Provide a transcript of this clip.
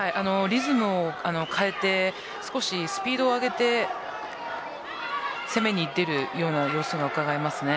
リズムを変えて少しスピードを上げて攻めにいっている様子がうかがえます。